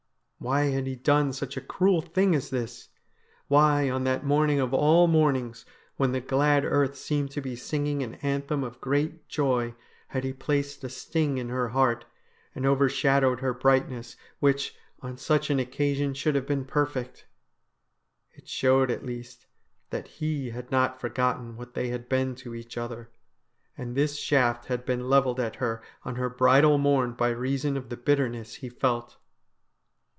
Why had he done such a cruel thing as this ? Why on that morning of all mornings, when the glad earth seemed to be singing an anthem of great joy, had he placed a sting in her heart, and overshadowed her brightness, which, on such an occasion, should have been perfect ? It showed, at least, that he had not forgotten what they had been to each other, and this shaft had been levelled at her on her bridal morn by reason of the bitterness he felt.